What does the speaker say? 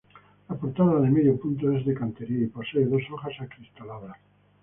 La portada de medio punto es de cantería y posee dos hojas acristaladas.